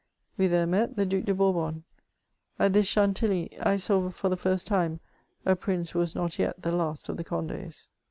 We there met the Due de Bourbon. At this Chantilly , I saw for the first time a prince who was not yet the last oF the Cond^s.